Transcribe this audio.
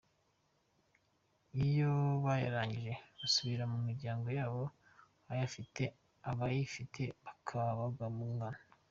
Iyo bayarangije basubira mu miryango yabo abayifite abatayifite tukabagumana”.